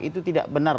itu tidak benar